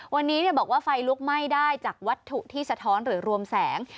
วันนี้บอกว่าไฟลุกไหม้ได้จากวัตถุที่สะท้อนหรือรวมแสง